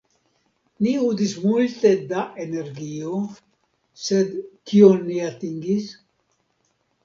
Ni uzis multe da energio, sed kion ni atingis?